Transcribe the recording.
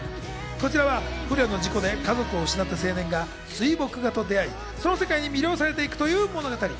こちらは不慮の事故で家族を失った青年が水墨画と出会い、その世界に魅了されていくという物語。